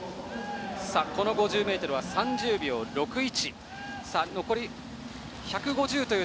この５０ｍは３０秒６１。